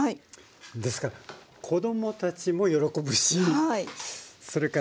ですから子供たちも喜ぶしそれからね